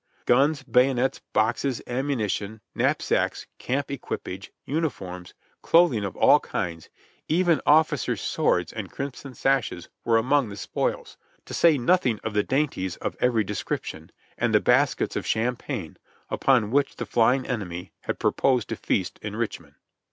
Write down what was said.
Guns, bayonets, boxes, ammunition, knapsacks, camp equipage, uniforms, clothing of all kinds, even officers' swords and crimson sashes were among the spoils, to say nothing of the dainties of every description, and the baskets of cham pagne, upon which the flying enemy had purposed to feast in Rich mond.